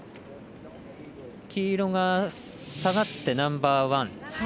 黄色が下がってナンバーワン。